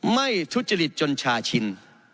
ทุจริตจนชาชิน